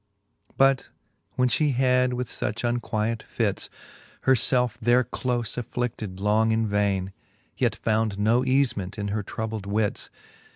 But when Ihe had with fuch unquiet fits Her felfe there dole aflBified long in vaine, Yet found no eaiement in her troubled wits.